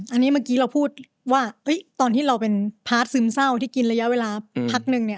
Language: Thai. อันนี้เมื่อกี้เราพูดว่าตอนที่เราเป็นพาร์ทซึมเศร้าที่กินระยะเวลาพักนึงเนี่ย